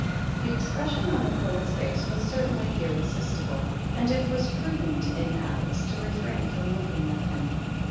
The expression on the Poet's face was certainly irresistible, and it was prudent in Alice to refrain from looking at him.